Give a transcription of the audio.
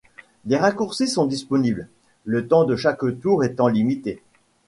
Des raccourcis sont disponibles, le temps de chaque tour étant limité.